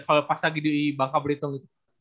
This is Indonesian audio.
kalau pas lagi di bangka berhitung